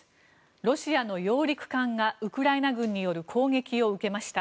ロシアの揚陸艦がウクライナ軍による攻撃を受けました。